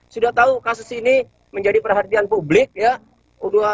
sudah tahu kasus ini menjadi perhatian publik ya